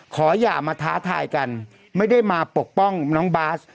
อย่ามาท้าทายกันไม่ได้มาปกป้องน้องบาส